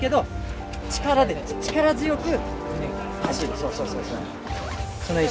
そうそうそうそう。